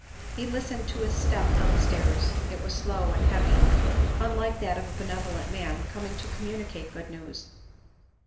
He listened to his step on the stairs ; it was slow and heavy ; unlike that of a benevolent man coming to communicate good news.